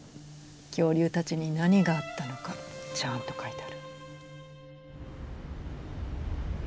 恐竜たちに何があったのかちゃんと書いてあるの。